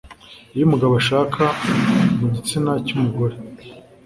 ibyo umugabo ashaka mu gitsina cy'umugore